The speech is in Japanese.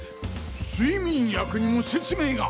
睡眠薬にも説明が。